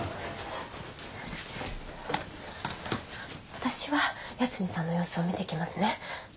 私は八海さんの様子を見てきますね。